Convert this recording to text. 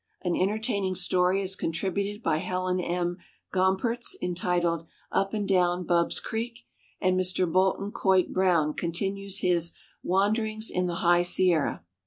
An entertaining story is contributed by Helen M. Gonipertz, entitled "Up and Down lini.bs Creek," and ]\Ir Bolton Coit Brdwn continues his " Wanderin r^ in the High Sierra."